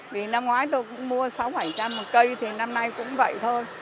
vì năm ngoái tôi cũng mua sáu bảy một cây thì năm nay cũng vậy thôi